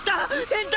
変態！